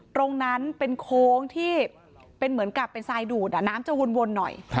ตรงนั้นเป็นโค้งที่เป็นเหมือนกับเป็นทรายดูดน้ำจะวนหน่อย